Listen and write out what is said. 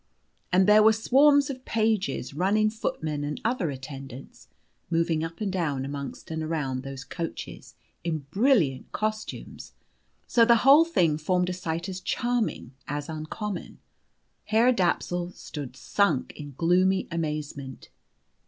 And there were swarms of pages, running footmen, and other attendants, moving up and down amongst and around those coaches in brilliant costumes, so that the whole thing formed a sight as charming as uncommon. Herr Dapsul stood sunk in gloomy amazement.